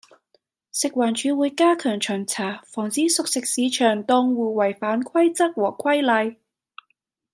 食環署會加強巡查，防止熟食市場檔戶違反規則和規例